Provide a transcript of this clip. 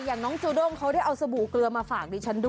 อย่างน้องจูด้งเขาได้เอาสบู่เกลือมาฝากดิฉันด้วย